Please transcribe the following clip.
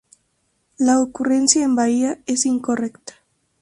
La ocurrencia en Bahia es incorrecta.